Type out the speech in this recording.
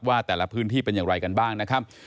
ว่าแต่ละพื้นที่เป็นอย่างไรกันบ้างนะครับ